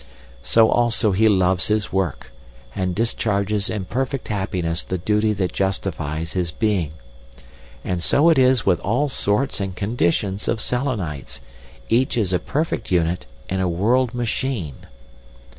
So also he loves his work, and discharges in perfect happiness the duty that justifies his being. And so it is with all sorts and conditions of Selenites—each is a perfect unit in a world machine....